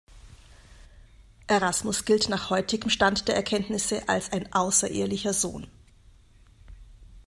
Erasmus gilt nach heutigem Stand der Erkenntnisse als ein außerehelicher Sohn.